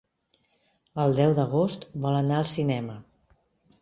El deu d'agost vol anar al cinema.